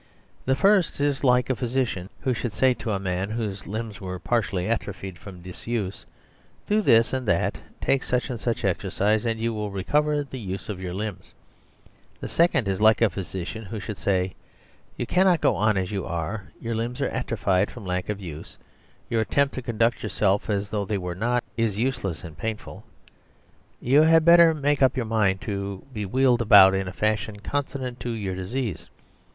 The first is like a physician who should say to a man whose limbs were partially atrophied from disuse :" Do this ar\d that, take such and such exercise, and you will recover the use of your limbs." The second is like a physician who should say :" You cannot go on as you are. Your limbs are atrophied from lack of use. Your attempt 108 EASIEST SOLUTION to conduct yourself as though they were not is use less and painful ; you had better make up your mind to be wheeled about in a fashion consonant to your disease."